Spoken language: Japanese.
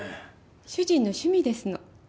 主人の趣味ですの。